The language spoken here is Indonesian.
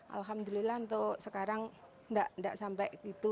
alhamdulillah untuk sekarang tidak sampai gitu